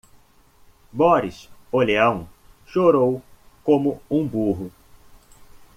Boris, o leão, chorou como um burro.